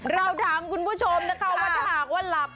เราถามคุณผู้ชมนะคะว่าถ้าหากว่าหลับ